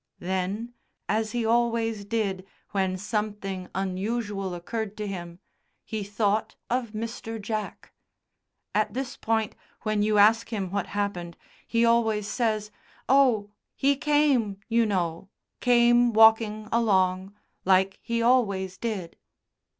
Then, as he always did, when something unusual occurred to him, he thought of "Mr. Jack." At this point, when you ask him what happened, he always says: "Oh! He came, you know came walking along like he always did."